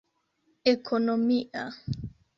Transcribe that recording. ekonomia